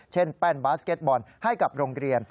แป้นบาสเก็ตบอลให้กับโรงเรียน